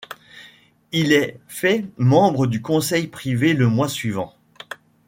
Il est fait membre du Conseil privé le mois suivant.